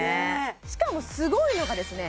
しかもすごいのがですね